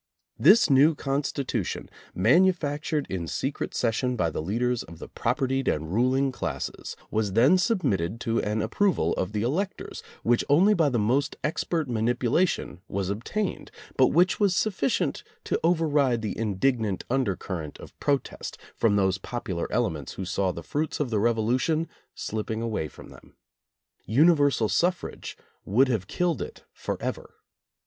This new constitution, manufactured in secret session by the leaders of the propertied and ruling classes, was then submitted to an approval of the electors which only by the most expert manipula tion was obtained, but which was sufficient to over ride the indignant undercurrent of protest from those popular elements who saw the fruits of the Revolution slipping away from them. Universal suffrage would have killed it forever.